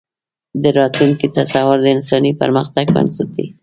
د راتلونکي تصور د انساني پرمختګ بنسټ دی.